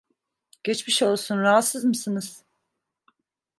Geçmiş olsun, rahatsız mısınız?